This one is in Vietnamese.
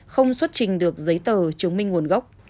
không xuất trình được giấy tờ chứng minh nguồn gốc